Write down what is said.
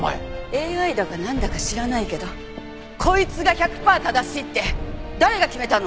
ＡＩだかなんだか知らないけどこいつが１００パー正しいって誰が決めたの？